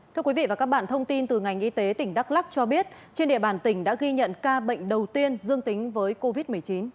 thưa quý vị và các bạn thông tin từ ngành y tế tỉnh đắk lắc cho biết trên địa bàn tỉnh đã ghi nhận ca bệnh đầu tiên dương tính với covid một mươi chín